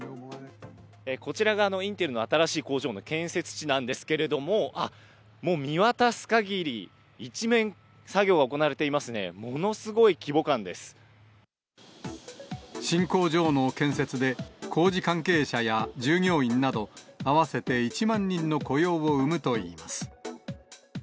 こちらが、インテルの新しい工場の建設地なんですけれども、あっ、もう見渡すかぎり、一面、作業が行われていますね、新工場の建設で、工事関係者や従業員など、合わせて１万人の雇用を生むといいます。